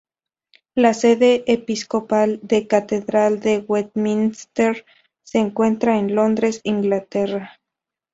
La sede episcopal, la Catedral de Westminster se encuentra en Londres, Inglaterra.